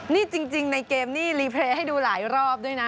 นี่จริงในเกมนี่รีเพลย์ให้ดูหลายรอบด้วยนะ